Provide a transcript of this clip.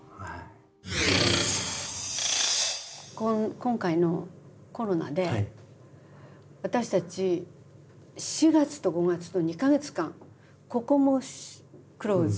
今回のコロナで私たち４月と５月と２か月間ここもクローズ。